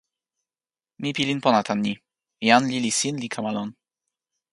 mi pilin pona tan ni: jan lili sin li kama lon.